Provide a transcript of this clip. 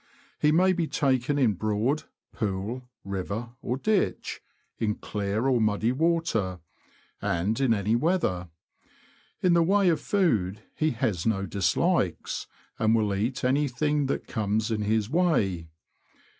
He may be taken in Broad, pool, river, or ditch ; in clear or muddy water, and in any weather. In the way of food, he has no dislikes, and will eat anything that comes in his way.